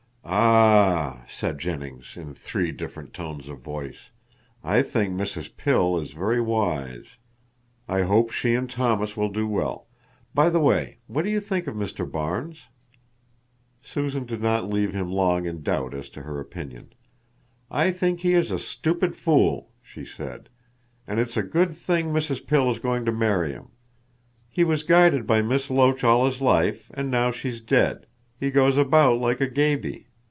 Ah!" said Jennings in three different tones of voice. "I think Mrs. Pill is very wise. I hope she and Thomas will do well. By the way, what do you think of Mr. Barnes?" Susan did not leave him long in doubt as to her opinion. "I think he is a stupid fool," she said, "and it's a good thing Mrs. Pill is going to marry him. He was guided by Miss Loach all his life, and now she's dead, he goes about like a gaby.